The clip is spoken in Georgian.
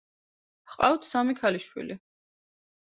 ჰყავთ სამი ქალიშვილი.